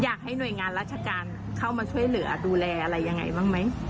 อยากให้หน่วยงานราชการเข้ามาช่วยเหลือดูแลอะไรยังไงบ้างไหม